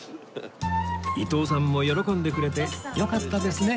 伊東さんも喜んでくれてよかったですね